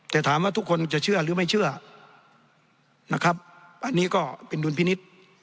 แต่ถามว่าทุกคนจะเชื่อหรือไม่เชื่อนะครับอันนี้ก็เป็นดุลพินิษฐ์